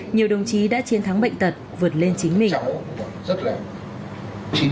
nhiều đồng chí đã chiến thắng bệnh tật vượt lên chính mình